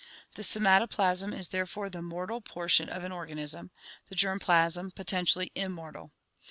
The somatoplasm is therefore the mortal portion of an organism; the germ plasm potentially immortal.